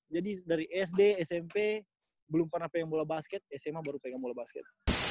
jadi dari sd smp belum pernah pegang bola basket sma baru pegang bola basket